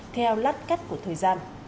theo lát cắt của thời gian